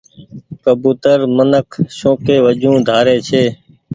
ڪبوتر منک شوکي وجون ڍاري ڇي۔